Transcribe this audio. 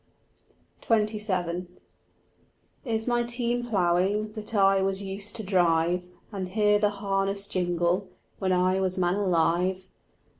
XXVII "Is my team ploughing, That I was used to drive And hear the harness jingle When I was man alive?"